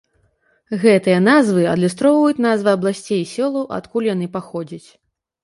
Гэтыя назвы адлюстроўваюць назвы абласцей і сёлаў, адкуль яны паходзяць.